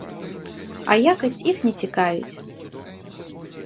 А якасць іх не цікавіць.